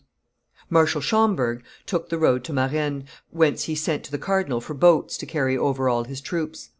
] Marshal Schomberg took the road to Marennes, whence he sent to the cardinal for boats to carry over all his troops.